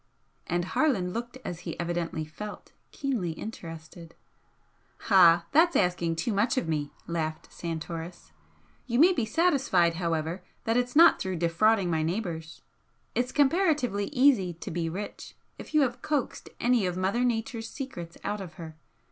And Harland looked as he evidently felt, keenly interested. "Ah, that's asking too much of me!" laughed Santoris. "You may be satisfied, however, that it's not through defrauding my neighbours. It's comparatively easy to be rich if you have coaxed any of Mother Nature's secrets out of her.